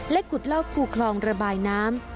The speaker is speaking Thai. ขุดลอกคูคลองระบายน้ำ